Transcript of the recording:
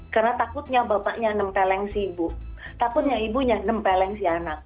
karena takutnya bapaknya nempeleng si ibu takutnya ibunya nempeleng si anak